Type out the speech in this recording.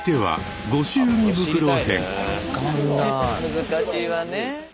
難しいわね。